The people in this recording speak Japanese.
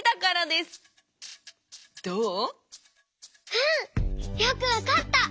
うん！よくわかった！